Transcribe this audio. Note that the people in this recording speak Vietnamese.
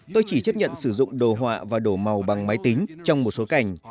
tôi chỉ chấp nhận sử dụng đồ họa và đổ màu bằng máy tính trong một số cảnh